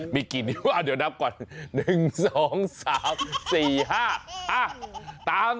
มีกี่นิ้วอ่ะเดี๋ยวนับก่อน